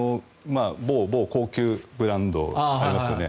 某高級ブランドありますよね。